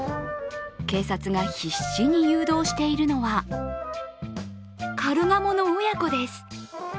警察が必死に誘導しているのはカルガモの親子です。